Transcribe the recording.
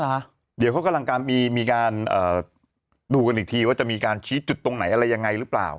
เดี๋ยวเขากำลังการมีการเอ่อดูกันอีกทีว่าจะมีการชี้จุดตรงไหนอะไรยังไงหรือเปล่า